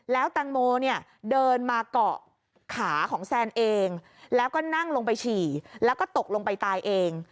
แล้วแตงโมเนี่ยเดินมาเกาะขาของแซนเองแล้วก็นั่งลงไปฉี่แล้วก็ตกลงไปตายเอง